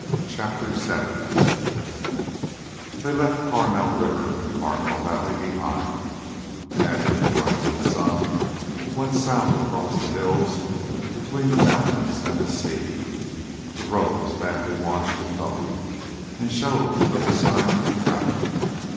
CHAPTER VII They left Carmel River and Carmel Valley behind, and with a rising sun went south across the hills between the mountains and the sea. The road was badly washed and gullied and showed little sign of travel.